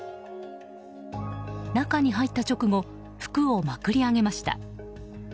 中に入った直後服をまくり上げました。